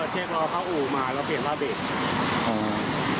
เช็กล้อพาอู่มาแล้วเปลี่ยนราเบก